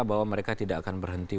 bahwa mereka tidak akan berhenti